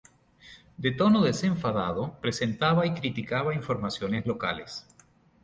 De tono desenfadado, presentaba y criticaba informaciones locales.